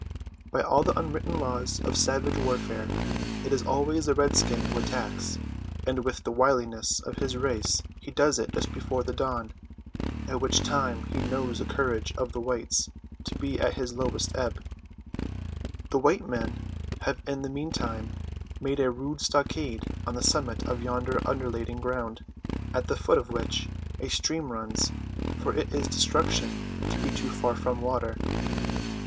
By all the unwritten laws of savage warfare it is always the redskin who attacks, and with the wiliness of his race he does it just before the dawn, at which time he knows the courage of the whites to be at its lowest ebb. The white men have in the meantime made a rude stockade on the summit of yonder undulating ground, at the foot of which a stream runs, for it is destruction to be too far from water.